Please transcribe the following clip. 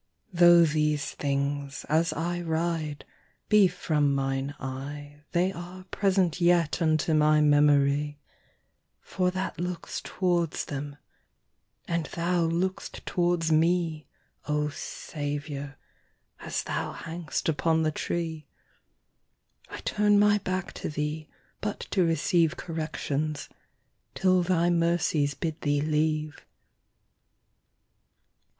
Though these things, as I ride, be from mine eye, They'are present yet unto my memory, For that looks towards them; and thou look'st towards mee,O Saviour, as thou hang'st upon the tree;I turne my backe to thee, but to receiveCorrections, till thy mercies bid thee leave.